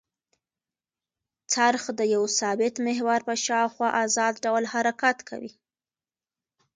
څرخ د یوه ثابت محور په شاوخوا ازاد ډول حرکت کوي.